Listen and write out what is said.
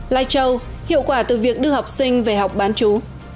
lai châu hiệu quả từ việc đưa học sinh về học bán chú